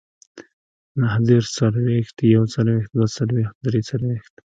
نههدېرش، څلوېښت، يوڅلوېښت، دوهڅلوېښت، دريڅلوېښت